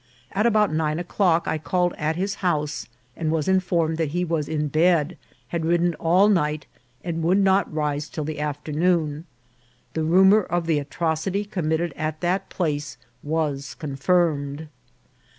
At about nine o'clock I called at his house, and was informed that he was in bed, had ridden all night, and would not rise till the af ternoon. The rumour of the atrocity committed at that place was confirmed.